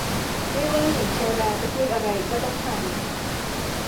ไม่ว่าหญิงชราจะพูดอะไรก็ต้องทำ